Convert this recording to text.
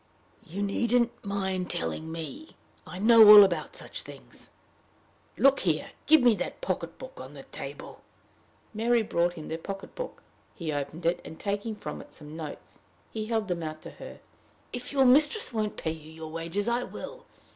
"You needn't mind telling me! I know all about such things. Look here! Give me that pocket book on the table." Mary brought him the pocket book. He opened it, and, taking from it some notes, held them out to her. "If your mistress won't pay you your wages, I will.